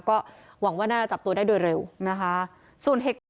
ก็หวังว่าน่าจะจับตัวได้โดยเร็วนะคะ